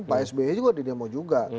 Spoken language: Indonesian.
pak sby juga di demo juga